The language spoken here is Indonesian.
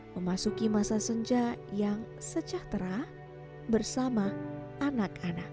memasuki masa senja yang sejahtera bersama anak anak